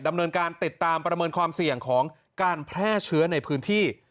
ดำเนินการติดตามประเมินความเสี่ยงของการแพร่เชื้อในพื้นที่